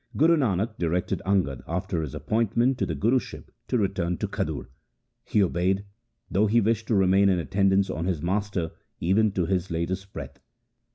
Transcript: Guru Nanak directed Angad after his appointment to the Guruship to return to Khadur. He obeyed, THE SIKH RELIGION though he wished to remain in attendance on his master even to his latest breath.